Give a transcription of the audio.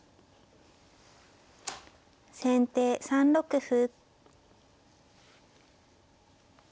先手３六歩。